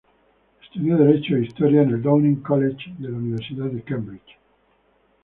Estudió derecho e historia en el Downing College de la Universidad de Cambridge.